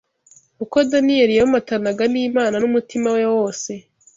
Uko Daniyeli yomatanaga n’Imana n’umutima we wose